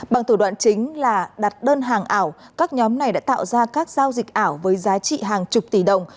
bằng thủ đoạn chính là đặt đơn hàng ảo các nhóm này đã tạo ra các giao dịch ảo với giá trị hàng chục tỷ đồng